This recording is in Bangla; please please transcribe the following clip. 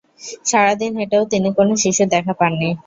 সারাদিন হেঁটেও তিনি কোনো শিশুর দেখা পান নি।